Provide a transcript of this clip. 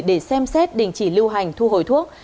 để xem xét đình chỉ lưu hành thu hồi thuốc